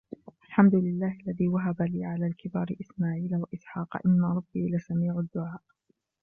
الْحَمْدُ لِلَّهِ الَّذِي وَهَبَ لِي عَلَى الْكِبَرِ إِسْمَاعِيلَ وَإِسْحَاقَ إِنَّ رَبِّي لَسَمِيعُ الدُّعَاءِ